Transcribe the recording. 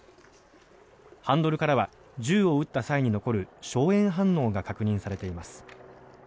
ハンドルからは銃を撃った際に残る硝煙反応が確認されています。